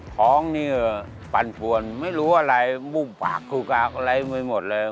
ของนี่ก็ปั่นปวนไม่รู้อะไรมุมปากครูกากอะไรไปหมดเลย